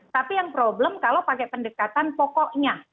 tapi yang problem kalau pakai pendekatan pokoknya